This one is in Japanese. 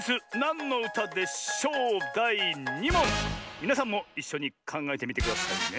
みなさんもいっしょにかんがえてみてくださいね！